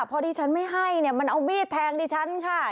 พอดีฉันไม่ให้เนี่ยมันเอามีดแทงดิฉันค่ะ